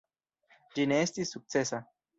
Ĝi ne estis sukcesa.